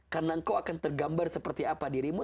karena engkau akan tergambar seperti apa dirimu